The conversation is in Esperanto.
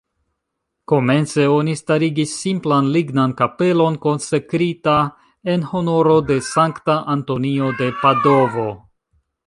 Komence oni starigis simplan lignan kapelon konsekrita en honoro de Sankta Antonio de Padovo.